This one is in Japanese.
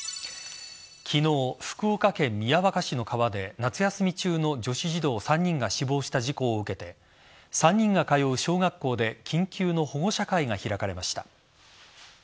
昨日、福岡県宮若市の川で夏休み中の女子児童３人が死亡した事故を受けて３人が通う小学校で緊急の保護者会が開かれました。